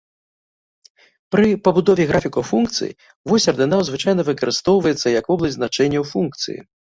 Пры пабудове графікаў функцый, вось ардынат звычайна выкарыстоўваецца як вобласць значэнняў функцыі.